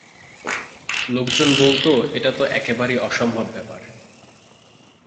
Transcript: লোকজন বলতো, এটা তো একেবারেই অসম্ভব ব্যাপার।